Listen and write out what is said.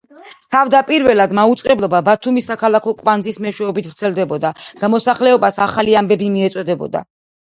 თავდაპირველად, მაუწყებლობა ბათუმის საქალაქო კვანძის მეშვეობით ვრცელდებოდა და მოსახლეობას ახალი ამბები მიეწოდებოდა.